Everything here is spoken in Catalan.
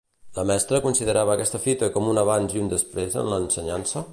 La mestra considerava aquesta fita com un abans i un després en l'ensenyança?